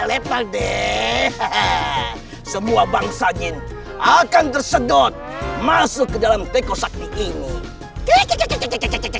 lepak deh semua bangsa gini akan tersedot masuk ke dalam teko sakti ini